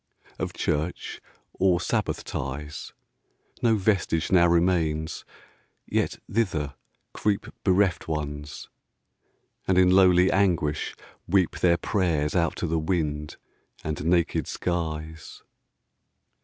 Of church, or sabbath ties, 5 No vestige now remains; yet thither creep Bereft Ones, and in lowly anguish weep Their prayers out to the wind and naked skies.